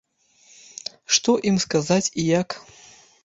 Што ім сказаць і як?